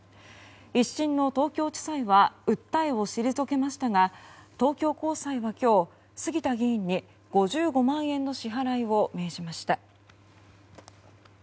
１審の東京地裁は訴えを退けましたが東京高裁は今日、杉田議員に５５万円の支払いを命じました。